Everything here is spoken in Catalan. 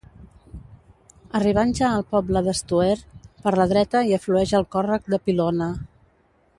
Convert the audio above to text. Arribant ja al poble d'Estoer, per la dreta hi aflueix el Còrrec de Pilona.